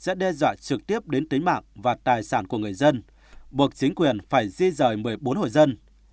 nếu xảy ra sạt lở sẽ đe dọa trực tiếp đến tính mạng và tài sản của người dân buộc chính quyền phải di dời một mươi bốn hội dân